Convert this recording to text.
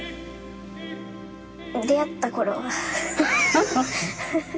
出会った頃は。